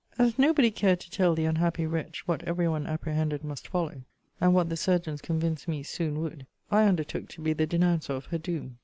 As nobody cared to tell the unhappy wretch what every one apprehended must follow, and what the surgeons convinced me soon would, I undertook to be the denouncer of her doom.